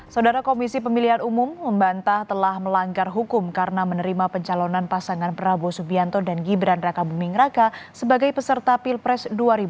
saudara komisi pemilihan umum membantah telah melanggar hukum karena menerima pencalonan pasangan prabowo subianto dan gibran raka buming raka sebagai peserta pilpres dua ribu dua puluh